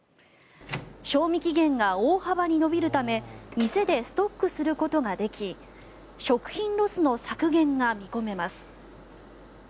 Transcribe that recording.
賞味期限が大幅に延びるため店でストックすることができ食品ロスの削減が見込めます。